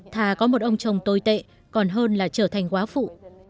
thà có một ông chồng tồi tệ còn hơn là trở thành quá phụ